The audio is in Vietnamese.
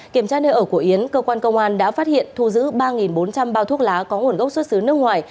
kiểm tra nơi ở của yến cơ quan công an đã phát hiện thu giữ ba bốn trăm linh bao thuốc lá có nguồn gốc xuất xứ nước ngoài